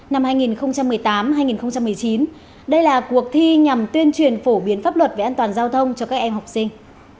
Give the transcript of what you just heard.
năm hai nghìn một mươi tám hai nghìn một mươi chín đây là cuộc thi nhằm tuyên truyền phổ biến pháp luật về an toàn giao thông cho các em học sinh